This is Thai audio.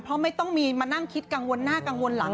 เพราะไม่ต้องมีมานั่งคิดกังวลหน้ากังวลหลัง